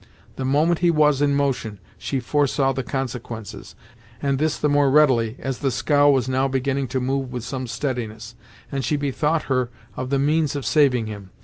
The moment he was in motion she foresaw the consequences, and this the more readily, as the scow was now beginning to move with some steadiness, and she bethought her of the means of saving him.